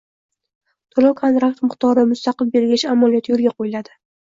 to‘lov-kontrakt miqdori mustaqil belgilash amaliyoti yo‘lga qo‘yiladi